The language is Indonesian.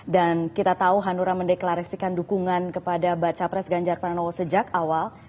dan kita tahu hanura mendeklarasikan dukungan kepada baca pres ganjar pananowo sejak awal